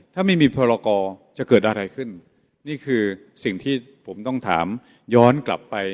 ถ้าไม่มีพรกรจะเกิดอะไรขึ้นนี่คือสิ่งที่ผมต้องถามย้อนกลับไป